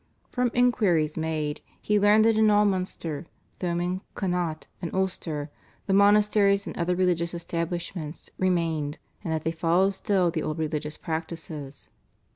From inquiries made he learned that in all Munster, Thomond, Connaught, and Ulster the monasteries and other religious establishments remained, and that they followed still the old religious practices.